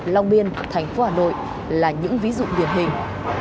long biên thành phố hà nội là những ví dụ điển hình